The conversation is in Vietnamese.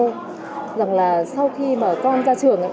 rằng là sau khi mà con ra trường